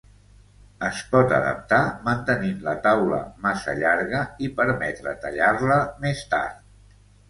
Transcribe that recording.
Es pot adaptar mantenint la taula massa llarga i permetre tallar-la més tard.